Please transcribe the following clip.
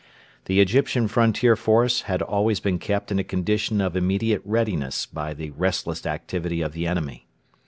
The Egyptian frontier force had always been kept in a condition of immediate readiness by the restless activity of the enemy.